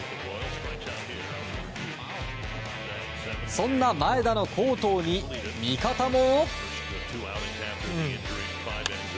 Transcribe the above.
そんな前田の好投に味方も。